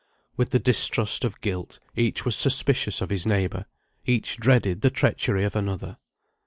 With the distrust of guilt, each was suspicious of his neighbour; each dreaded the treachery of another.